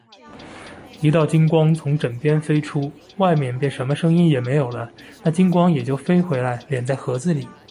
一道金光从枕边飞出，外面便什么声音也没有了，那金光也就飞回来，敛在盒子里。